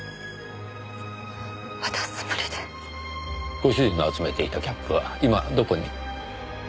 ご主人の集めていたキャップは今どこに？